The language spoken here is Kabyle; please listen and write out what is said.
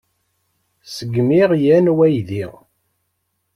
Ssegmiɣ yan waydi.